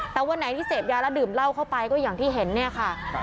แต่วันไหนที่เสพยาแล้วดื่มเหล้าเข้าไปก็อย่างที่เห็นเนี่ยค่ะ